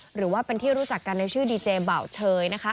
หรือว่าเป็นที่รู้จักกันในชื่อดีเจเบาเชยนะคะ